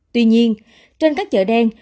tuy nhiên trên các chợ đen